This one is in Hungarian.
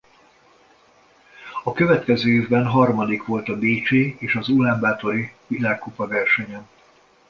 A következő évben harmadik volt a bécsi és az ulánbátori világkupa-versenyen.